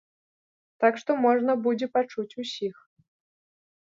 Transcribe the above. Так што можна будзе пачуць усіх.